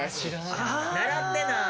習ってない。